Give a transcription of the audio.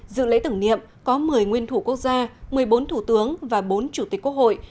dự lễ tưởng niệm có một mươi nguyên thủ quốc gia một mươi bốn thủ tướng và bốn chủ tịch quốc hội